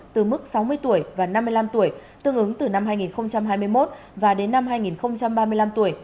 từ mức sáu mươi tuổi và năm mươi năm tuổi tương ứng từ năm hai nghìn hai mươi một và đến năm hai nghìn ba mươi năm tuổi